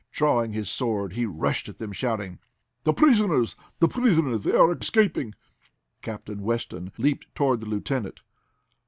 Drawing his sword, he rushed at them, shouting: "The prisoners! The prisoners! They are escaping!" Captain Weston leaped toward the lieutenant.